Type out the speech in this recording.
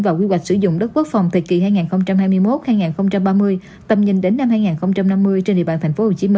và quy hoạch sử dụng đất quốc phòng thời kỳ hai nghìn hai mươi một hai nghìn ba mươi tầm nhìn đến năm hai nghìn năm mươi trên địa bàn tp hcm